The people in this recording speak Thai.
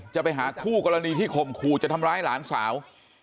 จะไปหาคู่กรณีที่ข่มขู่จะทำร้ายหลานสาว